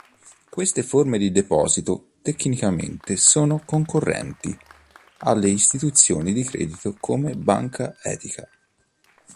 Queste forme di deposito tecnicamente sono concorrenti alle istituzioni di credito come Banca Etica.